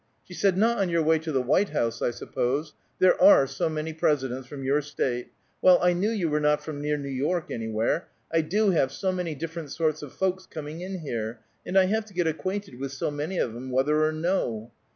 She said, "Not on your way to the White House, I suppose? There are so many Presidents from your State. Well, I knew you were not from near New York, anywhere. I do have so many different sorts of folks coming in here, and I have to get acquainted with so many of 'em whether or no.